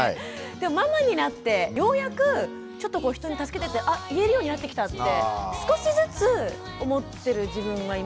でもママになってようやくちょっと人に助けてってあ言えるようになってきたって少しずつ思ってる自分はいますね。